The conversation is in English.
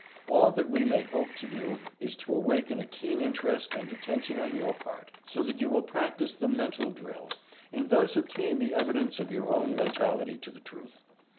All that we may hope to do is to awaken a keen interest and attention on your part, so that you will practice the Mental Drill, and thus obtain the evidence of your own mentality to the truth.